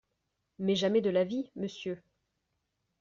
Mais jamais de la vie, monsieur !…